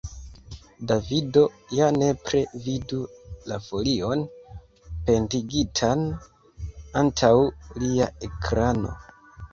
Davido ja nepre vidu la folion pendigitan antaŭ lia ekrano.